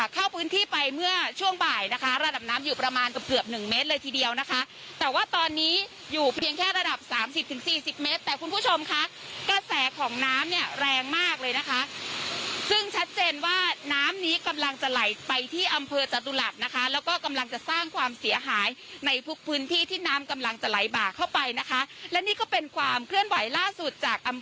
เกือบหนึ่งเมตรเลยทีเดียวนะคะแต่ว่าตอนนี้อยู่เพียงแค่ระดับสามสิบถึงสี่สิบเมตรแต่คุณผู้ชมค่ะกระแสของน้ำเนี่ยแรงมากเลยนะคะซึ่งชัดเจนว่าน้ำนี้กำลังจะไหลไปที่อำเภอจตุลัดนะคะแล้วก็กำลังจะสร้างความเสียหายในพวกพื้นที่ที่น้ำกำลังจะไหลบากเข้าไปนะคะและนี่ก็เป็นความเคลื่อนไหวล่าสุด